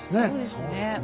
そうですね。